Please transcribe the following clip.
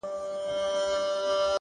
هره هڅه راتلونکی بدلولای شي!